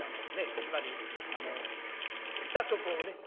つまりあの板チョコをね